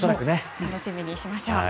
楽しみにしましょう。